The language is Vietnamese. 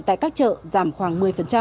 tại các chợ giảm khoảng một mươi